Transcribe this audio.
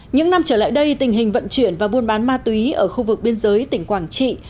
những năm trở lại đây tình hình vận chuyển và buôn bán ma túy ở khu vực biên giới tỉnh quảng trị